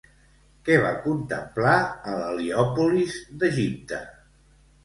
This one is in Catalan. Què va contemplar a l'Heliòpolis d'Egipte?